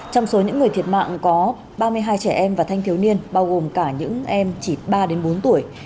trong số những người thiệt mạng có ba mươi hai trẻ em và thanh thiếu niên bao gồm cả những em chỉ ba bốn tuổi